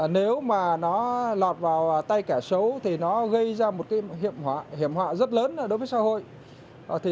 nếu mà nó lọt vào tay kẻ xấu thì nó gây ra một hiểm họa rất lớn đối với xã hội